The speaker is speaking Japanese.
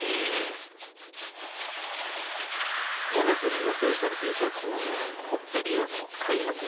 ５月に予定されていた公演「コッペリア」の開幕